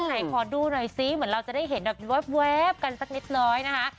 ไหนขอดูหน่อยซิเหมือนเราจะได้เห็นแบบแว๊บกันสักนิดน้อยนะคะ